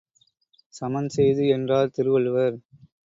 சமன் செய்து, என்றார் திருவள்ளுவர்.